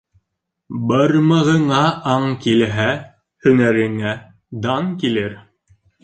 Бармағыңа аң килһә, һөнәреңә дан килер.